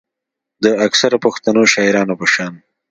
د اکثره پښتنو شاعرانو پۀ شان